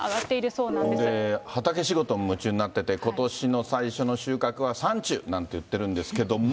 それで畑仕事に夢中になってて、ことしの最初の収穫はサンチュなんて言ってるんですけれども。